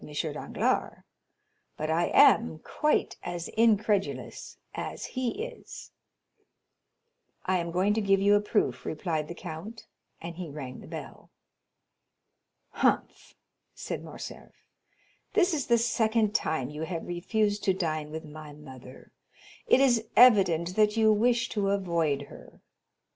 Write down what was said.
Danglars, but I am quite as incredulous as he is." "I am going to give you a proof," replied the count, and he rang the bell. "Humph," said Morcerf, "this is the second time you have refused to dine with my mother; it is evident that you wish to avoid her."